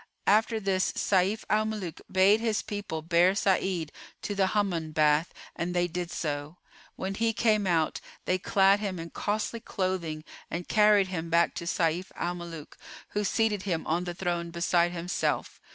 After this Sayf al Muluk bade his people bear Sa'id to the Hammam bath: and they did so. When he came out, they clad him in costly clothing and carried him back to Sayf al Muluk who seated him on the throne beside himself.